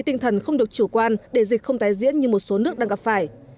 tinh thần không được chủ quan để dịch không tái diễn như một số nước đang gặp phải